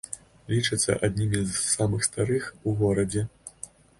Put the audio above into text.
Лічацца аднымі з самых старых у горадзе.